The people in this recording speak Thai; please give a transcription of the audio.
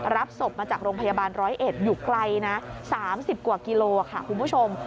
รับศพมาจากโรงพยาบาล๑๐๑อยู่ไกลนะ๓๐กว่ากิโลค่ะคุณผู้ชม